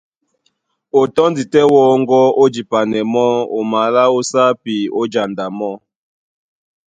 O tɔ́ndi tɛ́ wɔ́ŋgɔ́ ó jipanɛ mɔ́, o malá ó sápi, ó janda mɔ́.